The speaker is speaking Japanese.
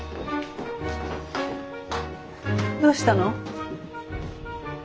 どうしたの？